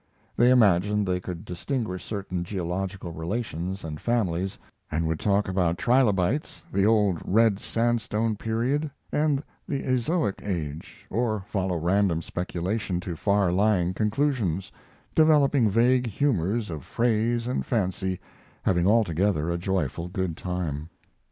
They imagined they could distinguish certain geological relations and families, and would talk about trilobites, the Old Red Sandstone period, and the azoic age, or follow random speculation to far lying conclusions, developing vague humors of phrase and fancy, having altogether a joyful good time.